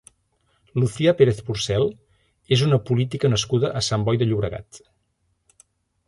Lucía Pérez Porcel és una política nascuda a Sant Boi de Llobregat.